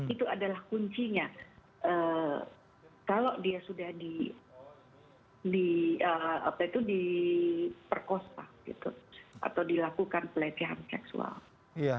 itu adalah kuncinya kalau dia sudah diperkosa atau dilakukan pelecehan seksual